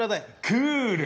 クール！